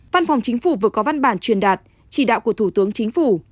văn phòng chính phủ vừa có văn bản truyền đạt chỉ đạo của thủ tướng chính phủ